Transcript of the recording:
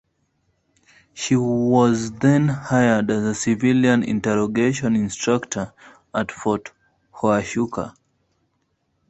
She was then hired as a civilian interrogation instructor at Fort Huachuca.